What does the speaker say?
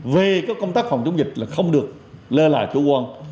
về công tác phòng chống dịch là không được lơ là chủ quan